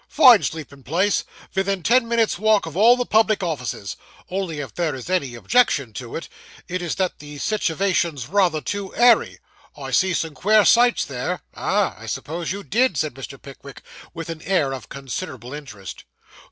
Fine sleeping place vithin ten minutes' walk of all the public offices only if there is any objection to it, it is that the sitivation's rayther too airy. I see some queer sights there.' Ah, I suppose you did,' said Mr. Pickwick, with an air of considerable interest.